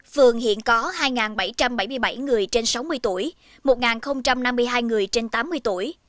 phường hiện có hai bảy trăm bảy mươi bảy người trên sáu mươi tuổi một năm mươi hai người trên tám mươi tuổi